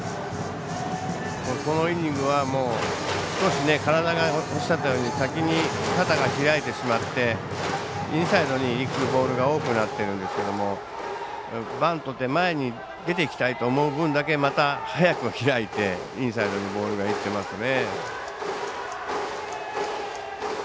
このイニングは少し体が、おっしゃったように先に肩が開いてしまってインサイドにいくボールが多くなってるんですけどバントで前に出てきたいと思う分だけ、また早く開いてインサイドにボールがいってますね。